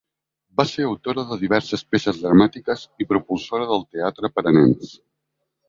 Va ser autora de diverses peces dramàtiques i propulsora del teatre per a nens.